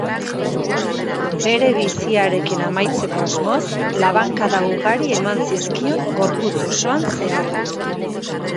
Bere biziarekin amaitzeko asmoz, labankada ugari eman zizkion gorputz osoan zehar.